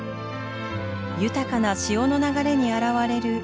豊かな潮の流れに洗われる岩場。